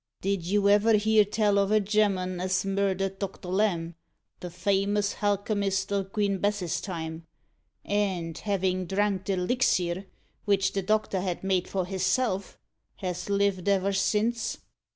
Did you ever hear tell of a gemman as murdered Doctor Lamb, the famous halchemist o' Queen Bess's time, and, havin' drank the 'lixir vich the doctor had made for hisself, has lived ever since?